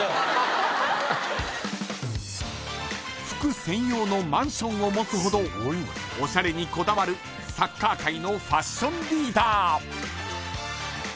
［服専用のマンションを持つほどおしゃれにこだわるサッカー界のファッションリーダー］